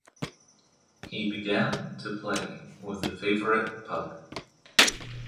He began to play with the favourite pug